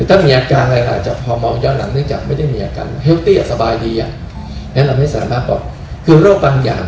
อาการอะไรรายจับครอบคร่องเย้านั้นลึกจากไม่ได้มีวักกัน